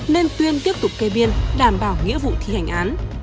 nên tuyên tiếp tục kê biên đảm bảo nghĩa vụ thi hành án